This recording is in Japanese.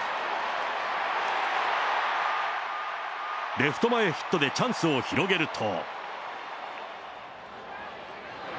レフト前ヒットでチャンスを広げると。